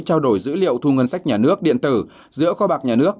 trao đổi dữ liệu thu ngân sách nhà nước điện tử giữa kho bạc nhà nước